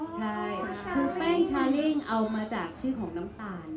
ใช่คือแป้งชาเล่งเอามาจากชื่อของน้ำตาล